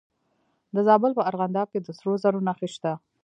د زابل په ارغنداب کې د سرو زرو نښې شته.